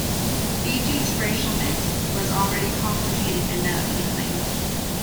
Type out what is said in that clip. Fiji's racial mix was already complicated enough, he claimed.